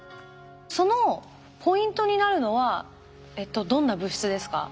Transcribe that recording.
そのポイントになるのはどんな物質ですか？